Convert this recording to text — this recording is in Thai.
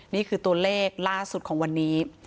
นี่คือตัวเลขล่าสุดของวันนี้